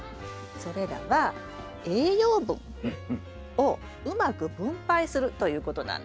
それらは栄養分をうまく分配するということなんです。